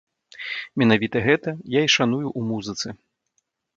Менавіта гэта я і шаную ў музыцы.